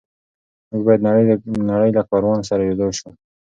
موږ باید د نړۍ له کاروان سره یوځای شو.